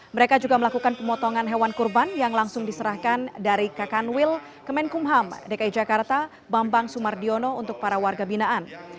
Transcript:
mereka juga melakukan pemotongan hewan kurban yang langsung diserahkan dari kakanwil kemenkumham dki jakarta bambang sumardiono untuk para warga binaan